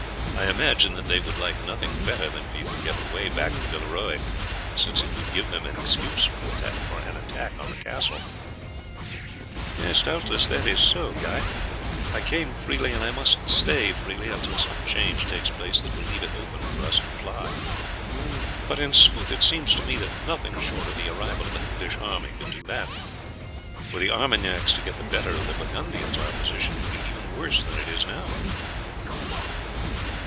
I imagine that they would like nothing better than for you to get away back to Villeroy, since it would give them an excuse for an attack on the castle." "Doubtless that is so, Guy; I came freely, and I must stay freely until some change takes place that will leave it open to us to fly. But in sooth it seems to me that nothing short of the arrival of an English army could do that. Were the Armagnacs to get the better of the Burgundians our position would be even worse than it is now."